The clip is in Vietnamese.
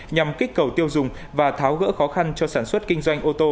nhằm kích cầu tiêu dùng và tháo gỡ khó khăn cho sản xuất kinh doanh ô tô